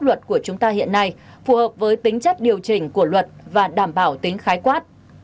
luật của chúng ta hiện nay phù hợp với tính chất điều chỉnh của luật và đảm bảo tính khái quát